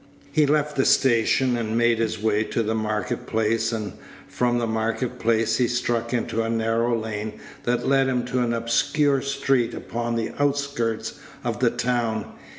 He left the station, and made his way to the market place, and from the market place he struck into a narrow lane that led him to an obscure street upon the outskirts of the town.